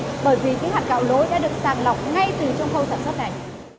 bởi vì hạt gạo lối đã được sàn lọc ngay từ trong khâu sản xuất này